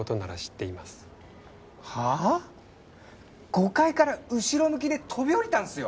５階から後ろ向きで飛び降りたんすよ？